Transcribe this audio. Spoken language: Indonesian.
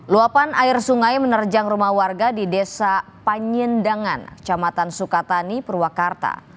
luapan air sungai menerjang rumah warga di desa panyandangan camatan sukatani purwakarta